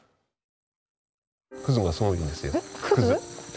がすごいんですよ。